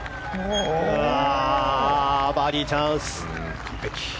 バーディーチャンス！